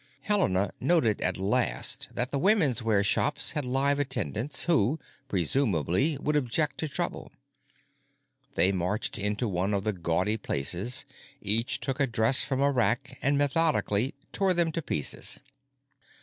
Helena noted at last that the women's wear shops had live attendants who, presumably, would object to trouble. They marched into one of the gaudy places, each took a dress from a rack and methodically tore them to pieces.